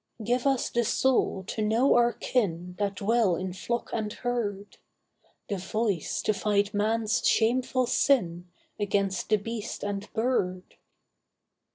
Give us the soul to know our kin That dwell in flock and herd, The voice to fight man's shameful sin Against the beast and bird.